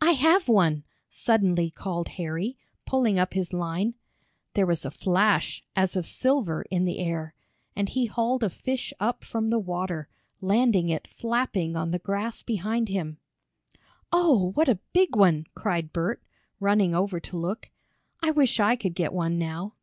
"I have one!" suddenly called Harry, pulling up his line. There was a flash, as of silver, in the air, and he hauled a fish up from the water, landing it flapping on the grass behind him. "Oh, what a big one!" cried Bert, running over to look. "I wish I could get one now."